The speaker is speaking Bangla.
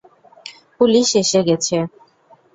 পুলিশ এসে গেছে।